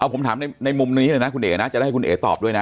ผมถามในมุมนี้คุณเอกจะได้คุณเอกตอบด้วยนะ